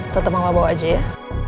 tetep sama lo bawa aja ya